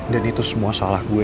dan itu semua salah gue